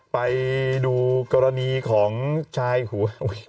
ไปดูกรณีของชายหัว